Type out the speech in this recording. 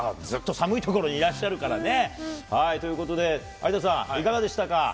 ずっと寒い所にいらっしゃるからね。ということで、有田さん、いかがでしたか。